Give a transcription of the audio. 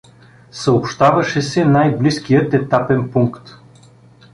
Съобщаваше се най-близкият етапен пункт.